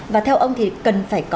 và theo ông thì cần phải có